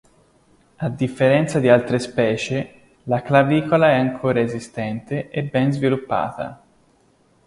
A differenza di altre specie, la clavicola è ancora esistente e ben sviluppata.